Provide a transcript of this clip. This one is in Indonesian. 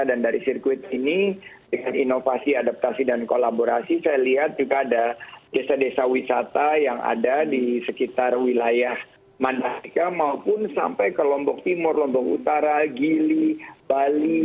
dan dari sirkuit ini dengan inovasi adaptasi dan kolaborasi saya lihat juga ada desa desa wisata yang ada di sekitar wilayah mandalika maupun sampai ke lombok timur lombok utara gili bali